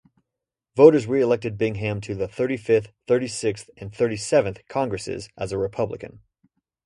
Voters re-elected Bingham to the Thirty-fifth, Thirty-sixth and Thirty-seventh Congresses as a Republican.